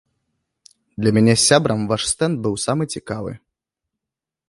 Для мяне з сябрам ваш стэнд быў самы цікавы!